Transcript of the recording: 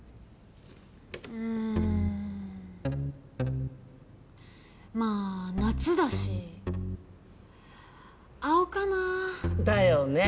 んまあ夏だし青かなぁ？だよね。